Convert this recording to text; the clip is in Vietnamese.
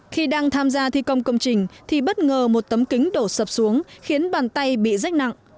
khi đang tham gia thi công công trình thì bất ngờ một tấm kính đổ sập xuống khiến bàn tay bị rách nặng